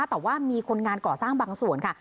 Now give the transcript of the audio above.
แต่ว่ามีคนงานก่อสร้างบางส่วนค่ะ